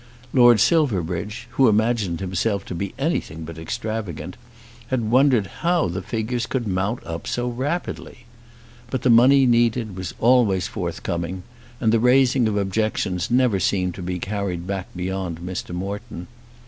Lord Silverbridge, who imagined himself to be anything but extravagant, had wondered how the figures could mount up so rapidly. But the money needed was always forthcoming, and the raising of objections never seemed to be carried back beyond Mr. Morton.